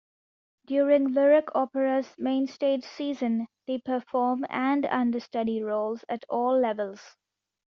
During Lyric Opera's mainstage season, they perform and understudy roles at all levels.